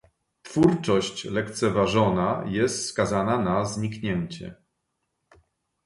Twórczość lekceważona jest skazana na zniknięcie